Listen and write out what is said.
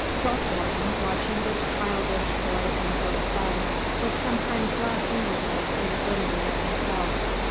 Throckmorton, watching this childish boy and girl fun, would sometimes laugh inwardly and grimly at himself.